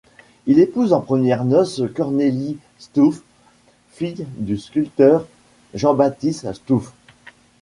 Il épouse en premières noces Cornélie Stouf, fille du sculpteur Jean-Baptiste Stouf.